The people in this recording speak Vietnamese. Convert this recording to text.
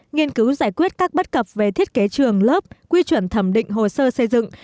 nghiên cứu giải quyết các bất cập về thiết kế trường lớp quy chuẩn thẩm định hồ sơ xây dựng